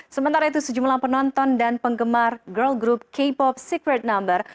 sementara itu sejumlah penonton dan penggemar girl group k pop secret number